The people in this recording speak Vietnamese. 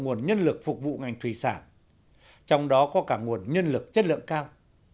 nguồn nhân lực phục vụ ngành thủy sản trong đó có cả nguồn nhân lực chất lượng cao